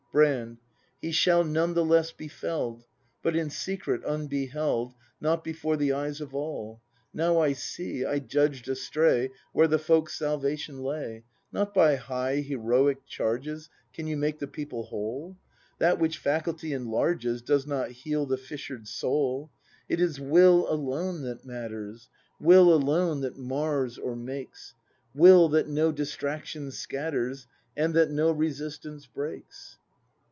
Brand. He shall, none the less, be fell'd, — But in secret, unbeheld. Not before the eyes of all. Now I see, I judged astray Where the Folk's salvation lay. Not by high heroic charges Can you make the People whole; That which faculty enlarges Does not heal the fissured soul. It is Will alone that matters. Will alone that mars or makes. Will, that no distraction scatters. And that no resistance breaks.